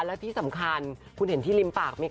และที่สำคัญคุณเห็นที่ริมปากไหมค